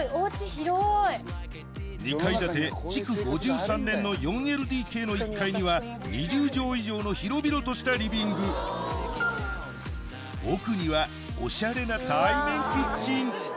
２階建て築５３年の４ＬＤＫの１階には２０畳以上の広々としたリビング奥にはおしゃれな対面キッチン